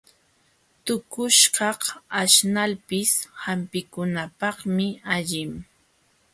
Tuqushkaq aśhnalpis hampikunapaqmi allin.